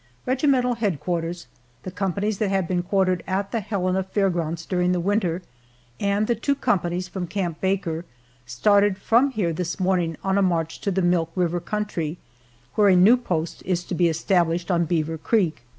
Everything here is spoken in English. Regimental headquarters, the companies that have been quartered at the Helena fair grounds during the winter, and the two companies from Camp Baker, started from here this morning on a march to the Milk River country, where a new post is to be established on Beaver Creek.